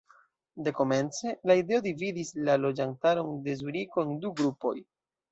Dekomence la ideo dividis la loĝantaron de Zuriko en du grupoj.